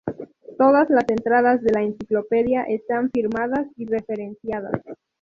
Todas las entradas de la enciclopedia están firmadas y referenciadas.